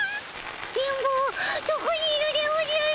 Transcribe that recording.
電ボどこにいるでおじゃる。